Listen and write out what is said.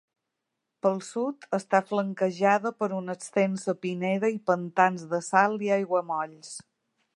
Pel sud, està flanquejada per una extensa pineda i pantans de sal i aiguamolls.